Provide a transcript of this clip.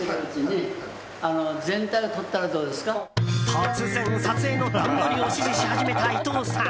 突然、撮影の段取りを指示し始めた伊藤さん。